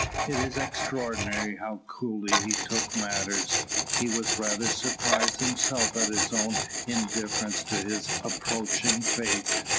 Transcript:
It is extraordinary how coolly he took matters. He was rather surprised himself at his own indifference to his approaching fate.